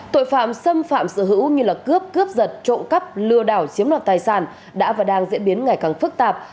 tội phạm xâm phạm sở hữu như cướp cướp giật trộm cắp lừa đảo chiếm đoạt tài sản đã và đang diễn biến ngày càng phức tạp